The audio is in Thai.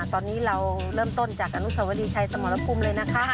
ตอนนี้เราเริ่มต้นจากอนุสวรีชัยสมรภูมิเลยนะคะ